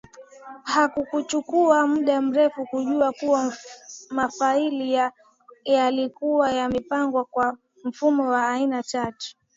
Haikuchukua muda mrefu kujua kuwa mafaili yalikuwa yamepangwa kwa mfumo wa aina tatu